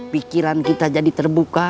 pikiran kita jadi terbuka